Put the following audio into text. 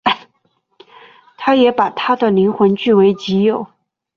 他也把她的灵魂据为己有。